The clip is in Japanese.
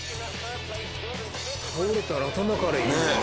倒れたら頭からいくもんね。